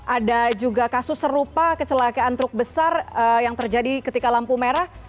ada juga kasus serupa kecelakaan truk besar yang terjadi ketika lampu merah